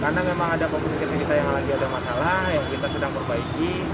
karena memang ada komunikasi kita yang lagi ada masalah yang kita sedang perbaiki